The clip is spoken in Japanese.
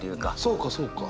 そうかそうか。